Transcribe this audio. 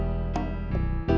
aku mau ke tempat usaha